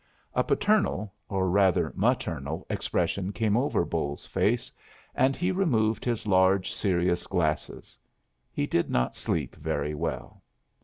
A paternal, or rather maternal, expression came over Bolles's face, and he removed his large, serious glasses. He did not sleep very well.